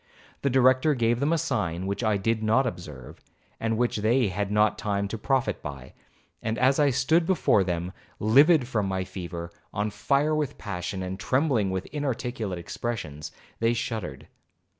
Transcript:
The Director gave them a sign which I did not observe, and which they had not time to profit by,—and as I stood before them livid from my fever, on fire with passion, and trembling with inarticulate expressions, they shuddered.